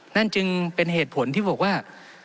นั่นจึงเป็นเหตุผลที่บอกว่า